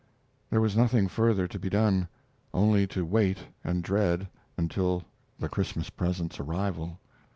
There was nothing further to be done; only to wait and dread until the Christmas present's arrival.